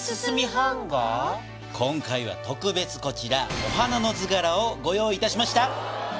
今回は特別こちらお花の図がらをご用意いたしました。